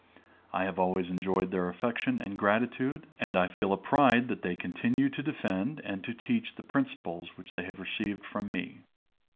I have always enjoyed their affection and gratitude, and I feel a pride that they continue to defend and to teach the principles which they have received from me.